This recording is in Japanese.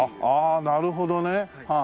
ああなるほどね。